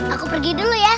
aku pergi dulu ya